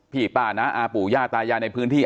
ป้าน้าอาปู่ย่าตายายในพื้นที่